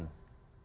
dan kita mendukung